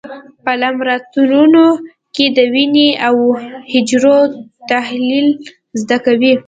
په لابراتوارونو کې د وینې او حجرو تحلیل زده کوي.